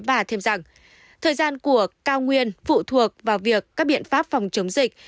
và thêm rằng thời gian của cao nguyên phụ thuộc vào việc các biện pháp phòng chống dịch